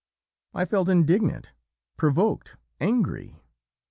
"I felt indignant, provoked, angry!